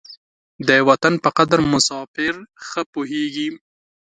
د وطن په قدر مساپر ښه پوهېږي.